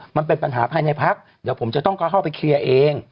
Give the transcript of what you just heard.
มันเป็นปัญหาภายในพักเดี๋ยวผมจะต้องก็เข้าไปเคลียร์เอง